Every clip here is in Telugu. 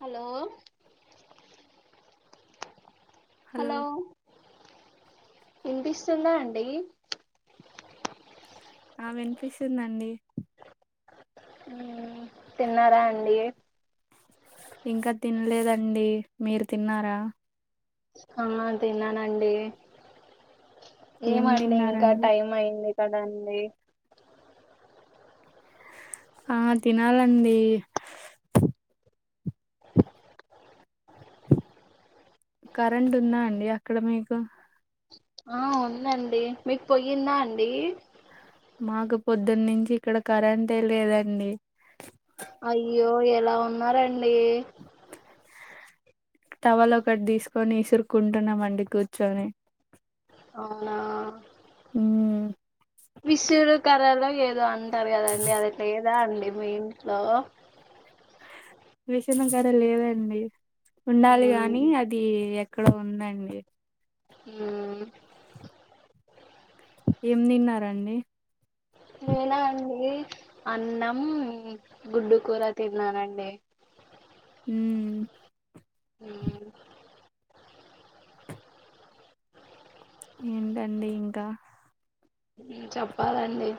హలో హలో ఇనిపిస్తుందా అండి ఆ వినిపిస్తుందండి ఆ తిన్నారా అండి ఇంకా తిన్లేదండి మీరు తిన్నారా ఆ తిన్నానండి ఏం ఏమండి ఇంకా తిన్నారండి టైం అయింది కాదండి ఆ తినాలండి కరెంట్ ఉందా అండి అక్కడ మీకు ఉదండి మీకు పొయిందా అండి మాకు పొద్దున్న నుంచి ఇక్కడ కరెంటే లేదండి అయ్యో ఎలా ఉన్నారండి టవల్ ఒకటి తీస్కొని ఇసురుకుంటున్నాం అండి కూర్చొని అవునా ఆ విసురు కరలో ఏదో అంటారు కదండి అది లేదా అండి మీ ఇంట్లో విస్ను కర్ర లేదండి ఉండాలి మ్మ్ గానీ అది ఎక్కడో ఉందండి హ ఏం తిన్నారండి నేనా అండి అన్నం గుడ్డు కూర తిన్నానండి ఉ హ ఏంటండి ఇంకా చెప్పాలండి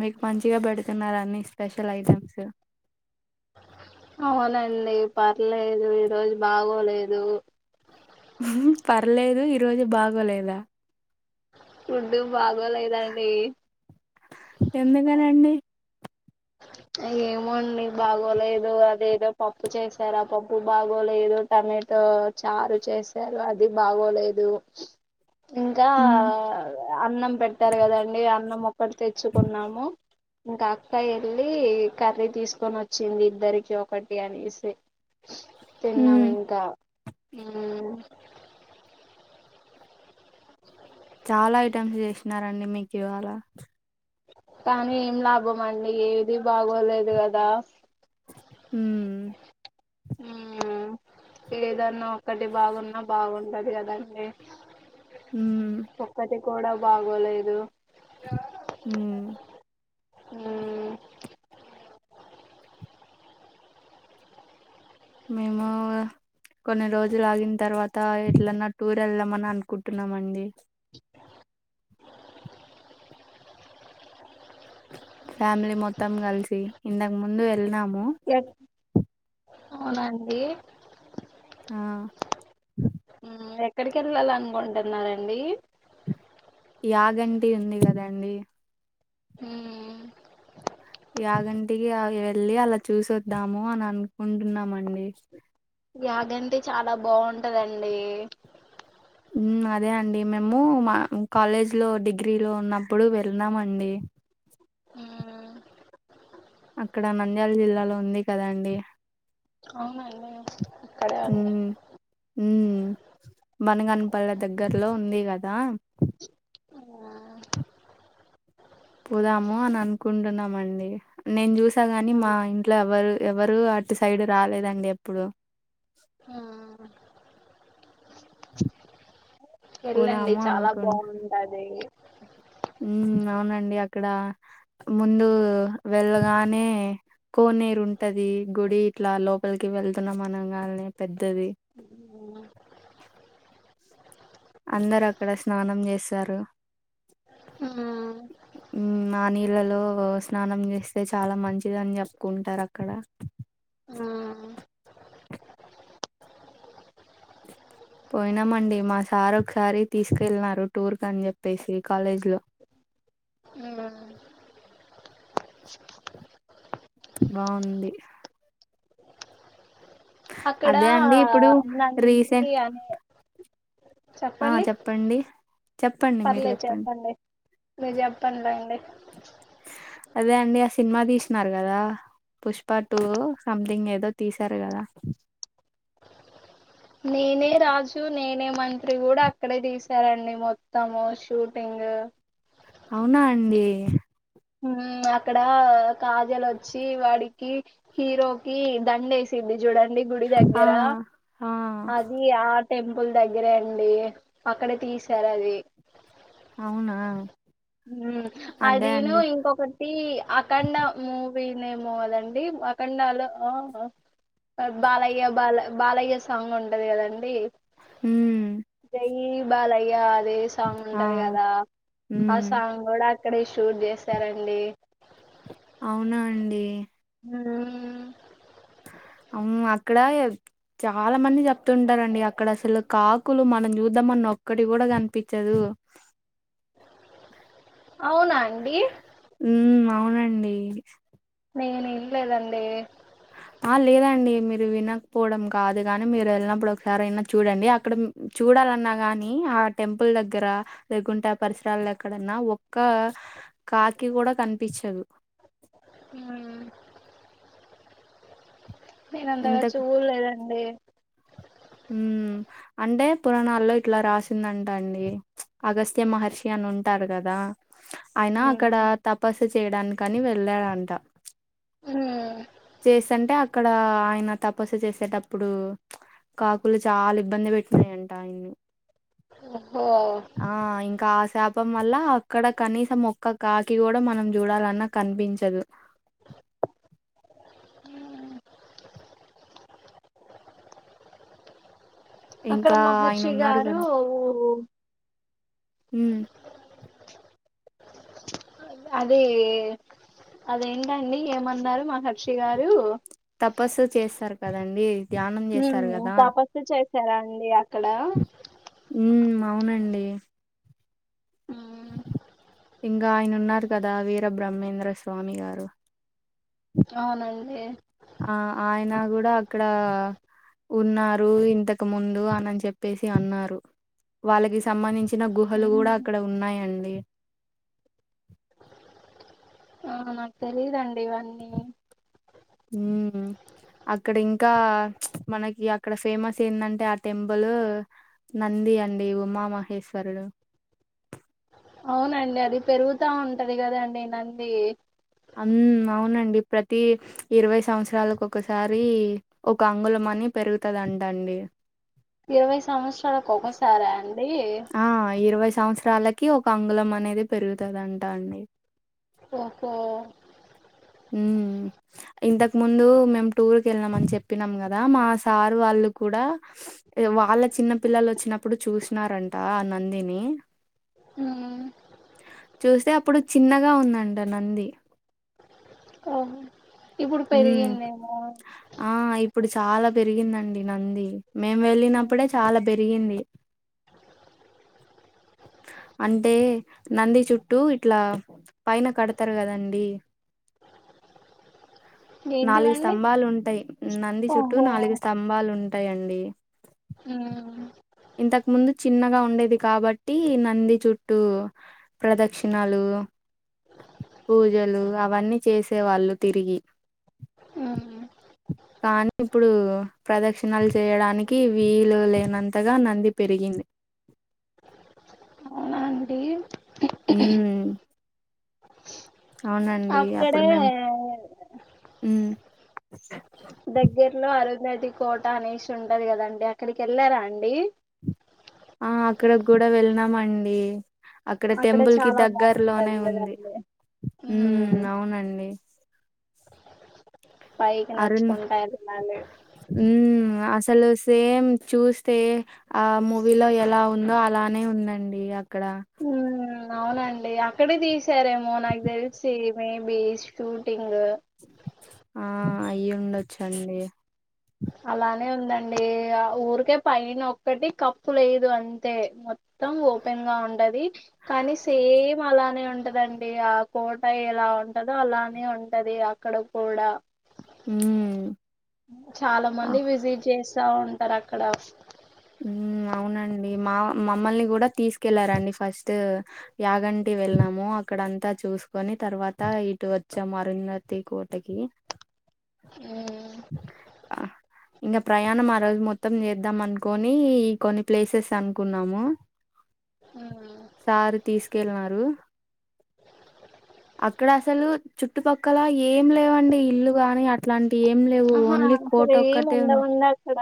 మీకు మంచిగా పెడుతున్నార అన్ని స్పెషల్ ఐటమ్స్ అవునండి పర్లేదు ఈ రోజు బాగోలేదు పర్లేదు ఈ రోజు బాగోలేదా ఫుడు బాగోలేదండి ఎందుకనండి ఏమోండి బాగోలే అదేదో పప్పు చేసారు ఆ పప్పు బాగోలేదు టమాటో చారు చేసారు అది బాగోలేదు ఇంకా హ్మ్ అన్నం పెట్టారు కదండి అన్నం ఒక్కటి తెచ్చుకున్నాము ఇంకా అక్కయ్ వెళ్లి కర్రీ తీసుకొని వచ్చింది ఇద్దరికీ ఒకటి అనేసి తిన్నాం హ్మ్. ఇంకా ఉమ్ చాలా ఐటమ్స్ చేసినారండి మీకు ఇవాళ కానీ ఏం లాభం అండి ఏది బాగోలేదు గదా ఉమ్ మ్మ్ [unintelligible] ఏదన్నా ఒక్కటి బాగున్నా బాగుంటది కదండి ఉమ్ ఒక్కటి కూడా బాగోలేదు ఉమ్ హు మేముో కొన్ని రోజులు ఆగిన తర్వాత ఎట్లన్నా టూర్ వెళ్దామని అనుకుంటున్నామండి ఫ్యామిలీ మొత్తం కలిసి ఇంతకు ముందు వెళ్ళినాము ఎక్ అవునాఅండి ఆ హు ఎక్కడికి వెళ్ళాల అనుకుంటున్నారండి యాగంటి ఉంది కదండి హామ్ యాగంటికి వెళ్ళి అలా చూసొద్దాము అని అనుకుంటున్నామండి యాగంటి చాలా బాగుంటదండి హు అదే అండి మేము మా కాలేజ్ లో డిగ్రీ లో ఉన్నప్పుడు వెళ్ళినామ్ అండి ఉమ్ అక్కడ నంద్యాల జిల్లాలో ఉంది కదా అండి అవునండి అక్కడే వుంది హు బనగనిపల్లె దగ్గర్లో ఉంది కదా అవునా పోదాము అని అనుకుంటున్నామండి నేను చూసా కానీ మా మ్మ్ ఇ ఇట్లా ఎవరు ఎవరు అటు సైడ్ రాలేదండి ఎప్పుడు ఆ వెళ్ళండి పోదాము చాలా బాగుంటది హు అవునండి అక్కడ ముందు వెళ్ళగానే కోనేరు ఉంటది గుడి ఇట్లా లోపలికి వెళ్తున్నాం అనం గానే పెద్దది అవున అందరు అక్కడ స్నానం చేస్తారు మ్మ్ హు ఆ నీర్ ల్లలో స్నానం చేస్తే చాలా మంచిది అని చెప్పుకుంటారు అక్కడ మ్మ్ పోయినామండి మా సార్ ఒకసారి తీసుకెళ్ళినారు టూర్ కని చెప్పేసి కాలేజ్ లో ఉ హు బాగుంది అక్కడా అదే అండి ఇప్పుడు నంది రీసెంట్ అనే ఆ చెప్పండి చెప్పండి చెప్పండి మీరు పర్లేదు చెప్పండి మీరు చెప్పండి అండి అదే అండి ఆ సినిమా తీసినారు కదా పుష్ప టు సంథింగ్ ఏదో తీసారు కదా నేనే రాజు నేనే మంత్రి కూడా అక్కడే తీశారండి మొత్తము షూటింగ్ అవునా అండి మ్మ్ అక్కడ కాజల్ వచ్చి వాడికి హీరోకి దండ ఏస్ సింది చూడండి గుడి ఆ దగ్గర ఆ అది అది ఆ టెంపుల్ దగ్గరే అండి అక్కడే తీసారు అది అవునా మ్మ్ అదే అదిను అండి ఇంకొక టీ అఖండ మూవీనేమో అదండి అఖండాలో బాలయ్య బాల బాలయ్య సాంగ్ ఉంటది కదండి మ్మ్ జై బాలయ్యా అదే సాంగ్ ఆ ఉంటది కదా ఆ ఉమ్ సాంగ్ కూడా అక్కడే షూట్ చేసారండి అవునా అండి మ్మ్ అమ్ అక్కడ చాలా మంది చెప్తుంటారండి అక్కడ అసలు కాకులు మనం చూద్దామన్న ఒక్కటి కూడా కనిపిచ్చదు అ అవునా అండి మ్మ్ అవునండి నేను ఇన్లేదండి ఆ లేదండి మీరు వినకపోవడం కాదు కానీ మీరు వెళ్ళినప్పుడు ఒకసారి అయినా చూడండి అక్కడ చూడాలన్నా గాని ఆ టెంపుల్ దగ్గర లేగుంటె ఆ పరిసరాల్లో ఎక్కడన్నా ఒక్క కాకి కూడా కనిపిచదు ఉ నేను అంతగా ఇంతకు చూడ్లేదండి మ్మ్ అంటే పురాణాల్లో ఇట్లా రాసిందంట అండి అగస్త్యమహర్షి అని ఉంటారు కదా ఆయన అక్కడ మ్మ్. తపస్సు చేయడానికని వెళ్ళడంట మ్మ్. చేస్తంటే అక్కడ ఆయన తపస్సు చేసేటప్పుడు కాకులు చాలా ఇబ్బంది పెట్టినాయంట ఆయన్ని ఓహో ఆ ఇంకా ఆ శాపం వల్ల అక్కడ కనీసం ఒక్క కాకి కూడా మనం చూడాలన్నా కనిపించదు అక్కడ ఇంకా ఆయన మహర్షి ఉన్నారు గారు కదా ఊ హ్మ్ అదీ అదేంటండి ఏమన్నారు మహర్షి గారు తపస్సు చేస్తారు కదండి ధ్యానం చేస్తారు మ్మ్ కదా తపస్సు చేసారా అండి అక్కడ మ్మ్ అవునండి ఆ ఇంకా ఆయన ఉన్నారు కదా వీర బ్రహ్మేంద్ర స్వామి గారు అవునండి ఆ ఆయన కూడా అక్కడా ఉన్నారు ఇంతకు ముందు అనని చెప్పేసి అన్నారు వాళ్ళకి సంబంధించిన గుహలు మ్మ్. కూడా అక్కడ ఉన్నాయండి ఆ నాకు తెలీదండి ఇవన్నీ ఉం అక్కడ ఇంకా చ్ మనకి అక్కడ ఫేమస్ ఎందంటే ఆ టెంపుల్ నంది అండి ఉమామహేశ్వరుడు అవునండి అది పెరుగుతా ఉంటది కదండి నంది ఆమ్ అవునండి ప్రతి ఇరవై సంవత్సరాలకు ఒకసారి ఒక అంగుళంమని పెరుగుతదంట అండి ఇరవై సంవత్సరాలకు ఒకసారా అండి ఆ ఇరవై సంవత్సరాలకి ఒక అంగులం అనేది పెరుగుతుంది అంటా అండి ఓహో ఉం ఇంతకు ముందు మేము టూర్ కి వెళ్ళాం అని చెప్పినాం కదా మా సారు వాళ్ళు కూడా ఇగ వాళ్ళ చిన్న పిల్లలు వచ్చినప్పుడు చూసినారంట ఆ నందిని ఉం చూస్తే అప్పుడు చిన్నగా ఉందంట నంది ఆహా ఇప్పుడు ఉమ్ పెరిగిందేమో ఆ ఇప్పుడు చాలా పెరిగిందండి నంది మేము వెళ్ళినప్పుడే ఉమ్. చాలా పెరిగింది అంటే నంది చుట్టూ ఇట్లా పైన కడతారు కదండి నాలుగు ఏంటివండి స్తంభాలు ఉంటాయి నంది చుట్టూ ఓహో నాలుగు స్తంభాలు ఉంటాయండి ఉం ఇంతకు ముందు చిన్నగా ఉండేది కాబట్టి నంది చు టు ప్రదక్షిణాలు పూజలు అవన్నీ చేసే వాళ్ళు తిరిగి ఉమ్ కానీ ఇప్పుడు ప్రదక్షిణలు చేయడానికి వీలు లేనంతగా నంది పెరిగింది అవునా అండి ఉం అక్కడే అప్పుడు మేము ఉమ్ దగ్గర్లో అరుంధతి కోట అనేష్ ఉంటది కదండి అక్కడికి వెళ్ళారా అండి ఆ అక్కడకి కూడా వెళ్ళనమండి అక్కడ టెంపుల్ కి చాలా దగ్గర లోనే బాగుంటది ఉంది కదండి ఉమ్ ఉం అవునండి పైకి నడుచ్చుకుంట వెళ్ళాలి ఉం అసలు సేమ్ చూస్తే ఆ మూవీలో ఎలా ఉందో అలానే ఉందండి అక్కడ ఉమ్ అవునండి అక్కడే తీసారేమో నాకు తెలిసి మేబీ షూటింగ్ ఆ అయి ఉండొచ్చండి అలానే ఉందండి ఆ ఊరికే పైన ఒక్కటి కప్పు లేదు అంతే మోత్ మొత్తం ఓపెన్ గా ఉండది కానీ సేమ్ అలానే ఉంటదండి ఆ కోట ఎలా ఉంటదో అలానే ఉంటది అక్కడ కూడా ఉం చాలా మంది విజిట్ చేస్తా ఉంటారు అక్కడ అవునండి మా మమ్మల్ని కూడా తీసుకెళ్లారండి ఫస్ట్ యాగంటి వెళ్ళము అక్కడంతా చూసుకొని తర్వాత ఇటు వచ్చాము అరుంధతి కోటకి ఆ ఆ ఇంకా ప్రయాణం ఆ రోజు మొత్తం చేద్దాం అనుకోని ఈ కొన్ని ప్లేసెస్ అనుకున్నాము ఉమ్ సారు తీసుకెల్లిన్నారు అక్కడ అసలు చుట్టుపక్కల ఏం లేవండి ఇల్లు గాని అట్లాంటి ఏం లేవు ఓన్లీ కోట ఒక్కటే ఉన్నా ఇంగ అక్కడ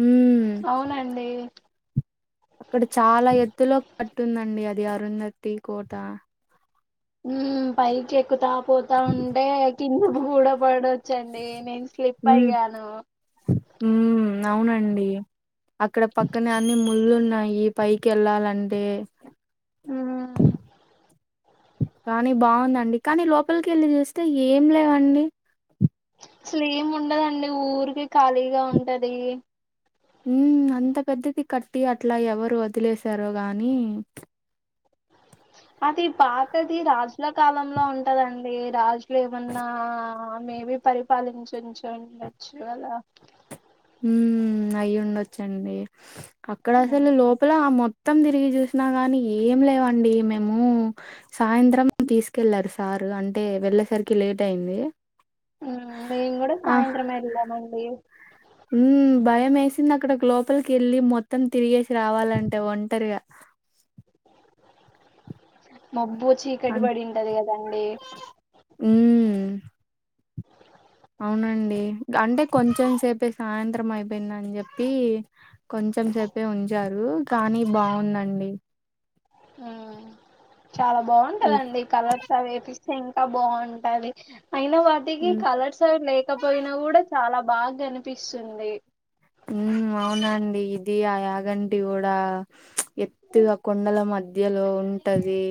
మ్ అవునండి ఇక్కడ చాలా ఎత్తులో కట్టుందండి అది అరుంధతి కోట ఊమ్ పైకి ఎక్కుతా పోతా ఉంటే కిందపు కూడ పడోచ్చండి నేను స్లిప్ ఉమ్ అయ్యాను ఉమ్ అవునండి అక్కడ పక్కనే అన్ని ముళ్ళు ఉన్నాయి పైకి వెళ్ళాలంటే ఆ కానీ బాగుందండి కానీ లోపలికి వెళ్ళి చూస్తే ఏం లేవండి అసలు ఏం ఉండదండి ఊరికే ఖాళీగా ఉంటది ఉ అంత పెద్దది కట్టి అట్లా ఎవరు వదిలేసారో గాని అది పాతది రాజుల కాలంలో ఉంటదండి రాజు లు ఏమన్నా మేబి పరిపాలించిచూ ఉండచ్చు కదా ఉ అయి ఉండొచ్చండి అక్కడ మ్మ్ అసలు లోపల ఆ మొత్తం తిరిగి చూసినా గాని ఏం లేవండి మేము సాయంత్రం తీసుకెళ్లారు సారు అంటే వెళ్ళేసరికి లేట్ అయింది మ్ మేము కూడా సాయంత్రం వెళ్ళమండి ఉ భయం వేసింది అక్కడ లోపలికి వెళ్ళి మొత్తం తిరిగేసి రావాలంటే ఒంటరిగా మబ్బు చీకటి పడింటది కదండి ఉమ్ అవునండి అంటే కొంచెం సేపే సాయంత్రం అయిపోయిందని చెప్పి కొంచెం సేపే ఉంచారు కానీ బాగుందండి చాలా ఈ బాగుంటందండి కలర్ అవి వేపిస్తే ఇంకా బాగుంటది అయిన వాటికి ఉమ్ కలర్స్ అవి లేకపోయినా కూడా చాలా బాగా అనిపిస్తుంది ఉమ్ అవునండి ఇది ఆ యాగంటి కూడా ఎత్తుగా కొండల మ ద్యలో ఉంటది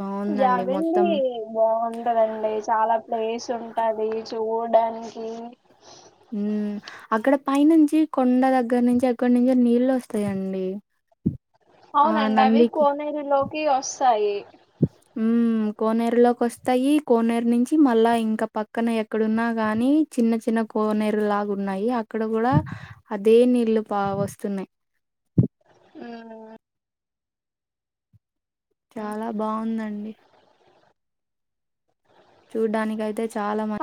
బాగుందండి మొత్తం జాబెండి బాగుంటదండి చాలా ప్లేస్ ఉంటది చూడ్డనికి హ అక్కడ పైనుంచి కొండ దగ్గర నుంచి ఎక్కడి నుంచో నీళ్ళు వస్తాయండి ఆ అవునండి అవి నందికి కోనేరులోకి వస్తాయి ఊ కోనేరులోకి వస్తాయి కోనేరు నుంచి మళ్ళా ఇంక పక్కనే ఇక్కడున్నా గాని చిన్న చిన్న కోనేరు లాగా ఉన్నాయి అక్కడ గుడా అదే నీళ్లు బావొస్తున్నాయ్ హ్మ్ చాలా బాగుందండి చూడ్డానికి అయితే చాలా